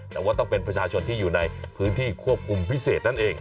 แต่ว่าต้องเป็นประชาชนที่อยู่ในพื้นที่ควบคุมพิเศษนั่นเอง